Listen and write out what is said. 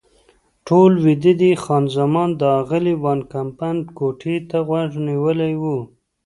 ټول ویده دي، خان زمان د اغلې وان کمپن کوټې ته غوږ نیولی و.